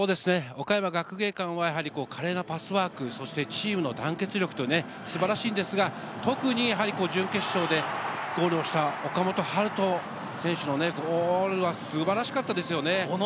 岡山学芸館は華麗なパスワーク、そしてチームの団結力が素晴らしいんですが、特に準決勝でゴールをした岡本温叶選手のゴールは素晴らしかったですよね。